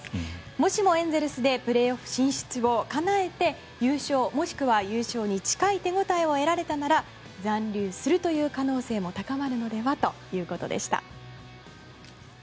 もしもエンゼルスでプレーオフ進出をかなえて優勝、もしくは優勝に近い手応えを得られたなら残留するという可能性も高まるのではとのことでした。